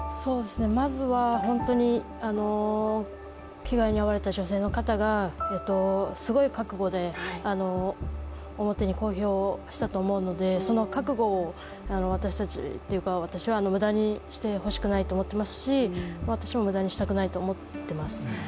まずは本当に被害に遭われた女性の方がすごい覚悟で表に公表したと思うので、その覚悟を私たちというか私は無駄にしてほしくないと思っていますし私も無駄にしたくないと思っています。